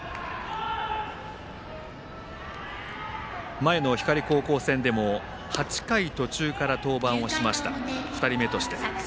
前の光高校戦でも８回途中から登板しました２人目として。